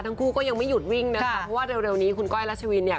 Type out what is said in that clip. ทั้งคู่ก็ยังไม่หยุดวิ่งนะคะเพราะว่าเร็วนี้คุณก้อยรัชวินเนี่ย